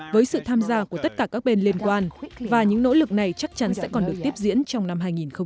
với sự tham gia của tất cả các bên liên quan và những nỗ lực này chắc chắn sẽ còn được tiếp diễn trong năm hai nghìn hai mươi